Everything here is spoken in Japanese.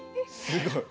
すごい。